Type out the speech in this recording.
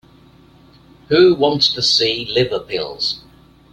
Who wants to see liver pills?